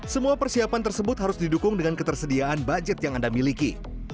semua persiapan tersebut harus didukung dengan ketersediaan budget yang anda miliki